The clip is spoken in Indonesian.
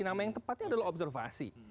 nama yang tepatnya adalah observasi